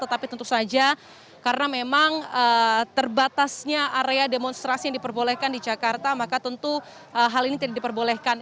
tetapi tentu saja karena memang terbatasnya area demonstrasi yang diperbolehkan di jakarta maka tentu hal ini tidak diperbolehkan